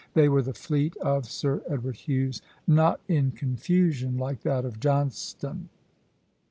They were the fleet of Sir Edward Hughes, not in confusion like that of Johnstone.